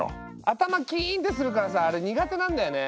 頭キーンってするからさあれ苦手なんだよね。